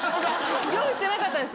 用意してなかったんです。